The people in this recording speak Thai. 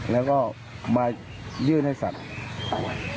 แล้วก็มายื่นให้สัตว์